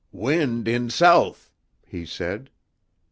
"Wind in south," he said.